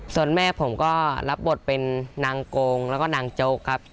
ส่วนแม่ผมก็รับบทเป็นนางโกงแล้วก็นางโจ๊กครับ